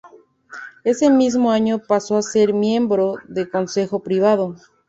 Ese mismo año pasó a ser miembro del Consejo Privado.